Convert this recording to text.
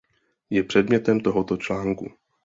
Je předmětem tohoto článku.